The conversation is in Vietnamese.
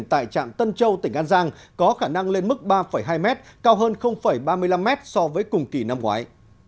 tại trạm tân châu tỉnh an giang có khả năng lên mức ba hai m cao hơn ba mươi năm mét so với cùng kỳ năm ngoái